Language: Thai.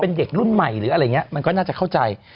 เป็นเด็กรุ่นใหม่หรืออะไรอย่างนี้มันก็น่าจะเข้าใจ